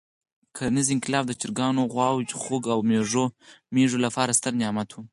کرنیز انقلاب د چرګانو، غواوو، خوګ او مېږو لپاره ستر نعمت وو.